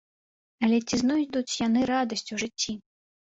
Але ці знойдуць яны радасць у жыцці?